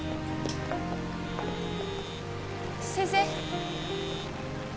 先生？